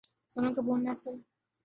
سونم کپور نے اسل